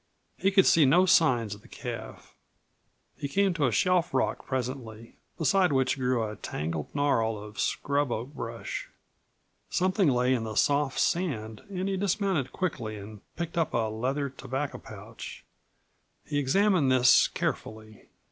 He could see no signs of the calf. He came to a shelf rock presently, beside which grew a tangled gnarl of scrub oak brush. Something lay in the soft sand and he dismounted quickly and picked up a leather tobacco pouch. He examined this carefully.